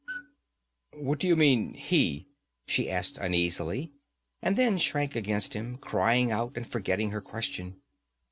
'What do you mean, he?' she asked uneasily, and then shrank against him, crying out, and forgetting her question.